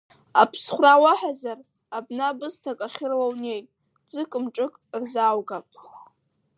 Аԥсхәра уаҳәазар абна бысҭак ахьыруа унеи, ӡык-мҿык рзааугап…